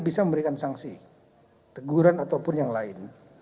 bisa memberikan sanksi teguran ataupun yang lain